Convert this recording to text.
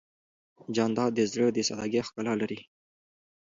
جانداد د زړه د سادګۍ ښکلا لري.